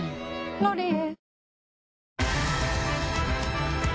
「ロリエ」